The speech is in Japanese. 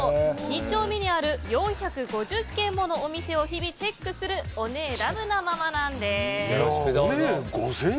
２丁目にある４５０軒ものお店を日々チェックするオネエラブなママなんです。